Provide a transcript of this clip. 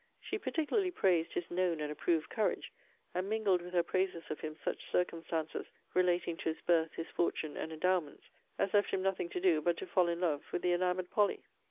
She particularly praised his known and approved courage; and mingled with her praises of him such circumstances relating to his birth, his fortune, and endowments, as left him nothing to do but to fall in love with the enamoured Polly.